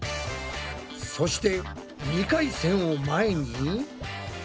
そして２回戦を前に。